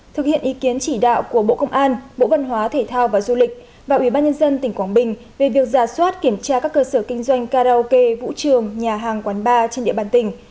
thực hiện ý kiến chỉ đạo của bộ công an bộ văn hóa thể thao và du lịch và ubnd tp quảng bình về việc giả soát kiểm tra các cơ sở kinh doanh karaoke vũ trường nhà hàng quán bar trên địa bàn tỉnh